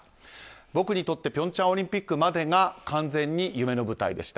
僕にとって平昌オリンピックまでが完全に夢の舞台でした。